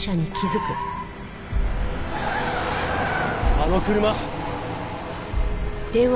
あの車！